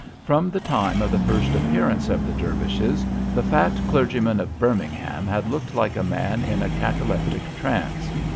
From the time of the first appearance of the Dervishes the fat clergyman of Birmingham had looked like a man in a cataleptic trance.